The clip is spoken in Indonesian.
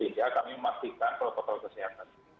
sehingga kami memastikan protokol kesehatan